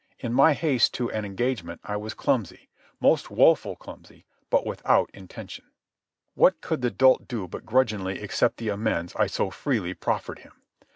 In my haste to an engagement I was clumsy, most woful clumsy, but without intention." What could the dolt do but grudgingly accept the amends I so freely proffered him?